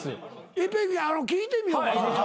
一遍聞いてみようか。